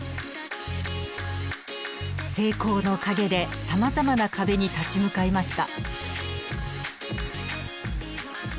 成功の陰でさまざまな壁に立ち向かいました。